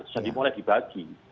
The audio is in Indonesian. jadi mulai dibagi